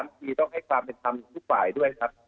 ทีต้องให้ความเป็นธรรมทุกฝ่ายด้วยครับ